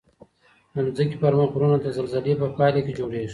د ځمکې پر مخ غرونه د زلزلې په پایله کې جوړیږي.